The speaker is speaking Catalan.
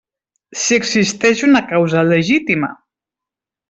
Si existeix una causa legítima.